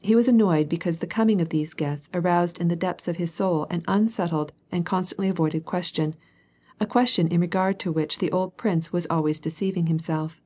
He was annoyed because the coming of these guests aroused in the de])ths of his soul an unsettled and constantly avoided question, a question in regard to which the old prince was always deceiving himself.